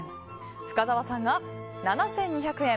深澤さんが７２００円。